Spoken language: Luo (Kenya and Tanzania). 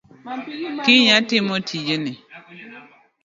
Kinya timo tijni.